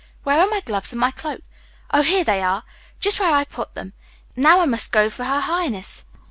Where are my gloves and my cloak? Oh, here they are, just where I put them. Now, I must go for her highness.